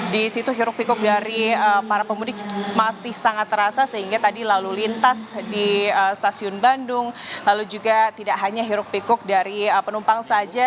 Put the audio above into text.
di situ hiruk pikuk dari para pemudik masih sangat terasa sehingga tadi lalu lintas di stasiun bandung lalu juga tidak hanya hiruk pikuk dari penumpang saja